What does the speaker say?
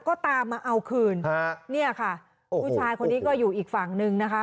ก็ตามมาเอาคืนฮะเนี่ยค่ะผู้ชายคนนี้ก็อยู่อีกฝั่งนึงนะคะ